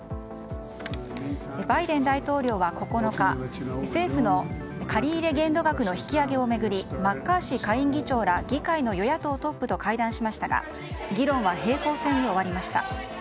バイデン大統領は９日政府の借入限度額の引き上げを巡りマッカーシー下院議長ら議会の与野党トップと会談しましたが議論は平行線に終わりました。